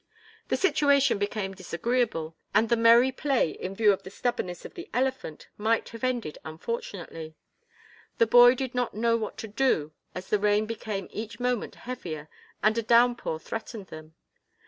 The situation became disagreeable, and the merry play in view of the stubbornness of the elephant might have ended unfortunately. The boy did not know what to do as the rain became each moment heavier and a downpour threatened them.